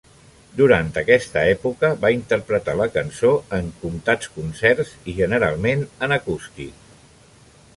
Durant aquesta època van interpretar la cançó en comptats concerts i generalment en acústic.